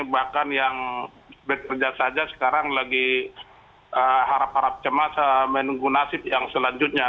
bahkan yang bekerja saja sekarang lagi harap harap cemas menunggu nasib yang selanjutnya